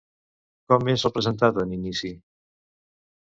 Com és representat en inici?